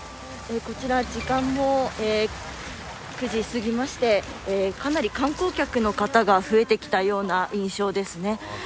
こちら時間も９時を過ぎましてかなり観光客の方が増えてきたような印象ですね。